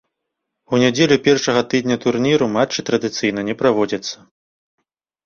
У нядзелю першага тыдня турніру матчы традыцыйна не праводзяцца.